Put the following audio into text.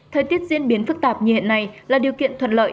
thời tiết diễn biến phức tạp như hiện nay là điều kiện thuận lợi